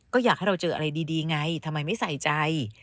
ก็อยากให้เราเจออะไรดีไงทำไมไม่ใส่ใจ